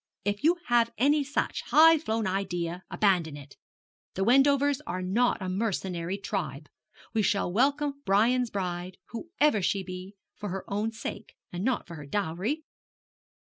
If you have any such high flown idea, abandon it. The Wendovers are not a mercenary tribe. We shall welcome Brian's bride, whoever she be, for her own sake, and not for her dowry.'